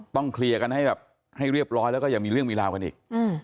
เคลียร์กันให้แบบให้เรียบร้อยแล้วก็อย่ามีเรื่องมีราวกันอีก